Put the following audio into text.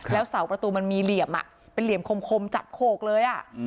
แล้วเสาประตูมันมีเหลี่ยมเป็นเหลี่ยมคมจับโขกเลย